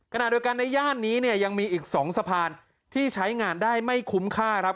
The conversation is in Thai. ขณะเดียวกันในย่านนี้เนี่ยยังมีอีก๒สะพานที่ใช้งานได้ไม่คุ้มค่าครับ